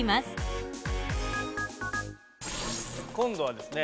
今度はですね